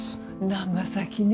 長崎ね